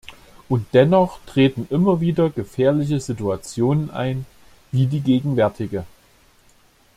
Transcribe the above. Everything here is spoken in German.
Und dennoch treten immer wieder gefährliche Situationen ein, wie die gegenwärtige.